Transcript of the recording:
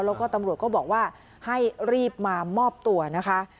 แล้วก็ตำรวจก็บอกว่าให้รีบมามอบตัวนะคะ